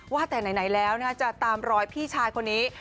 ว่าแต่ไหนแล้วจะตามรอยพี่ชายคนนี้